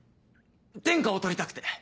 天下を取りたくて。